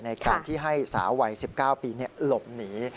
ในการที่ให้สาววัย๑๙ปีหลบหนี